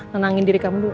tenangin diri kamu dulu ya